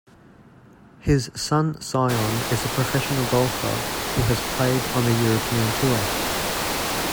His son Sion is a professional golfer who has played on the European Tour.